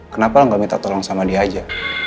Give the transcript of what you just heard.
kenapa lo gak minta tolong sama dia aja